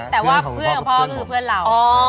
แต่ว่าเพื่อนของพ่อก็คือเพื่อนเรา